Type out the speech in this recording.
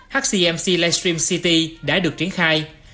hcmc live stream city đã được triển khai